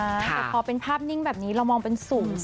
แต่พอเป็นภาพนิ่งแบบนี้เรามองเป็นสูง